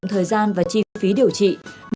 thời gian và chi phí điều trị